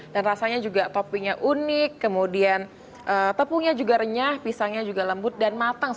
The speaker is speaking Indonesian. dan rasanya juga topinya unik kemudian tepungnya juga renyah dan juga berwarna yang sangat enak